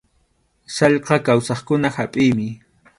Sallqa kawsaqkuna hapʼiymi.